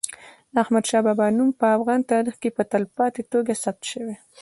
د احمد شاه بابا نوم په افغان تاریخ کي په تلپاتې توګه ثبت سوی.